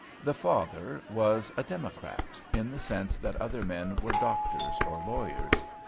The father was a Democrat, in the sense that other men were doctors or lawyers.